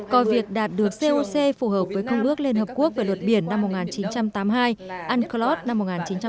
coi việc đạt được coc phù hợp với công ước liên hợp quốc về luật biển năm một nghìn chín trăm tám mươi hai unclos năm một nghìn chín trăm tám mươi hai